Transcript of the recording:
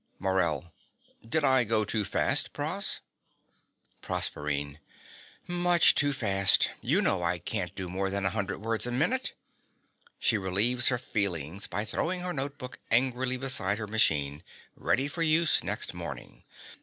MORELL. Did I go too fast, Pross? PROSERPINE. Much too fast. You know I can't do more than a hundred words a minute. (She relieves her feelings by throwing her note book angrily beside her machine, ready for use next morning.)